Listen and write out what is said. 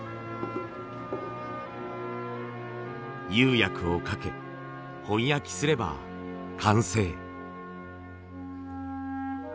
釉薬をかけ本焼きすれば完成。